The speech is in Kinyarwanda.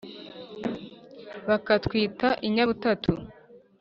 Bakatwita inyabutatu